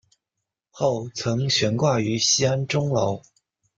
后曾悬挂于西安钟楼。